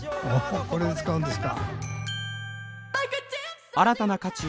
これで使うんですか。